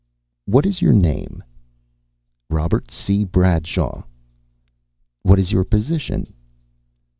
"What is your name?" "Robert C. Bradshaw." "What is your position?"